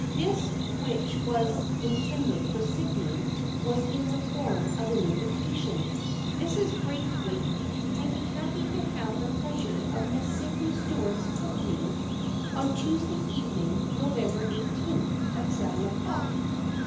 This which was intended for Sydney was in the form of an invitation. " Mrs. Braithwaite would be happy to have the pleasure of Miss Sydney Stuart's company on Tues day evening, November 18th, at seven o'clock.